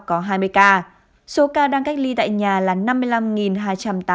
có hai mươi ca số ca đang cách ly tại nhà là năm mươi năm hai trăm tám mươi tám ca